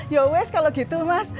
yowes kalau gitu mas